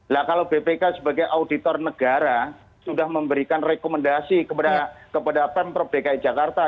nah kalau bpk sebagai auditor negara sudah memberikan rekomendasi kepada pemprov dki jakarta